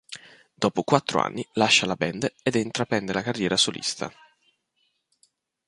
Dopo quattro anni lascia la band ed intraprende la carriera solista.